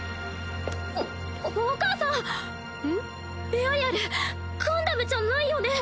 エアリアルガンダムじゃないよね？